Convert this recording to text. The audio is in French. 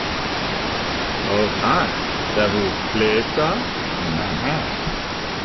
Haut. hein ! ça vous plaît, ça ?